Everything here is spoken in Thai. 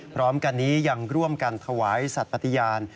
พร้อมกันนี้ยังร่วมกันถวายสัตว์ปฏิญาณ